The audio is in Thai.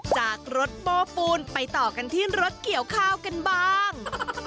จากรถโบ้ปูนไปต่อกันที่รถเกี่ยวข้าวกันบ้าง